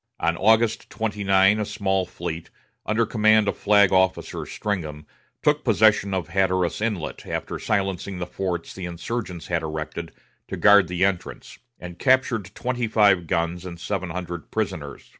On August 29 a small fleet, under command of Flag Officer Stringham, took possession of Hatteras Inlet, after silencing the forts the insurgents had erected to guard the entrance, and captured twenty five guns and seven hundred prisoners.